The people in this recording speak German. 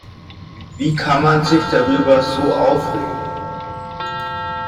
Wie kann man sich darüber so aufregen?